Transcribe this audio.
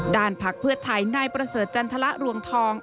ด้านพักเพื่อไทยนายประเสริฐจันทรละรวงทอง